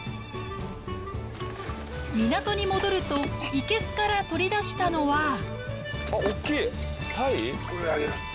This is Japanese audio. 港に戻ると生けすから取り出したのは。